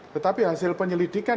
tetapi hasil penyelidikan